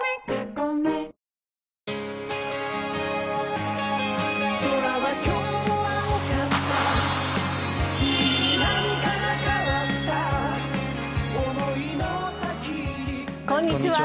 こんにちは。